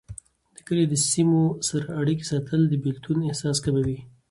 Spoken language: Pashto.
د کلي د سیمو سره اړيکې ساتل، د بیلتون احساس کموي.